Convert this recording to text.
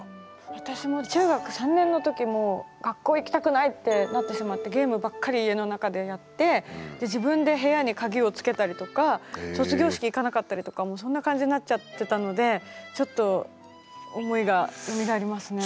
私も中学３年の時もう学校行きたくないってなってしまってゲームばっかり家の中でやってで自分で部屋に鍵をつけたりとか卒業式行かなかったりとかもうそんな感じになっちゃってたのでちょっと思いがよみがえりますね。